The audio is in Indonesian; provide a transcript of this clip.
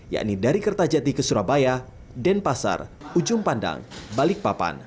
yakni dari kertajati ke surabaya denpasar ujung pandang balikpapan